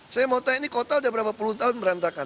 saya mau tanya ini kota udah berapa puluh tahun berantakan